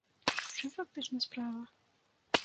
У чым фактычна справа?